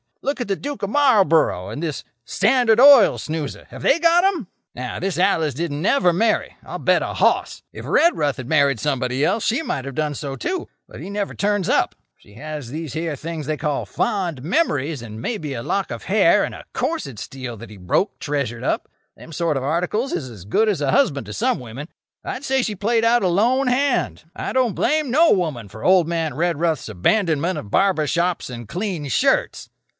Look at the Duke of Marlborough and this Standard Oil snoozer. Have they got 'em? "Now, this Alice didn't never marry, I'll bet a hoss. If Redruth had married somebody else she might have done so, too. But he never turns up. She has these here things they call fond memories, and maybe a lock of hair and a corset steel that he broke, treasured up. Them sort of articles is as good as a husband to some women. I'd say she played out a lone hand. I don't blame no woman for old man Redruth's abandonment of barber shops and clean shirts."